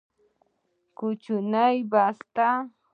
کوچنۍ بسته